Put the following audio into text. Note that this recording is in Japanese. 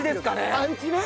パンチね。